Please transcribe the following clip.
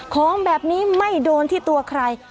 ของแบบนี้ไม่โดนที่ตัวใคร